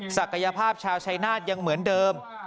ศักยภาพชาวชายนาฏยังเหมือนเดิม